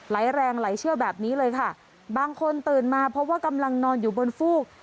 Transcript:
ไหลแรงไหลเชี่ยวแบบนี้เลยค่ะบางคนตื่นมาเพราะว่ากำลังนอนอยู่บนฟูก